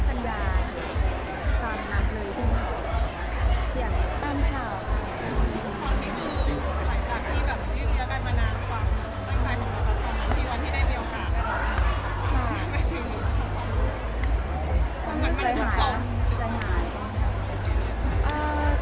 ต้นใจของเราควรเหมาะที่ที่ได้รียองค่าเวลานั้น